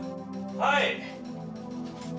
はい。